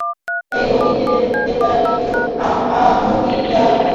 এই অগ্নিতে দেবতারা বৃষ্টিরূপ আহুতি দিয়া থাকেন, তাহা হইতে অন্ন উৎপন্ন হয়।